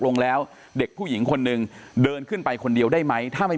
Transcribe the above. ลงแล้วเด็กผู้หญิงคนหนึ่งเดินขึ้นไปคนเดียวได้ไหมถ้าไม่